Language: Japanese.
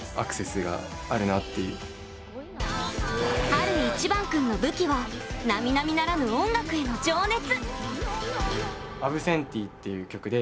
晴いちばん君の武器はなみなみならぬ音楽への情熱。